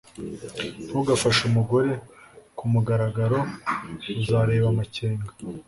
Ntugafashe umugore kumugaragaro Uzareba amakenga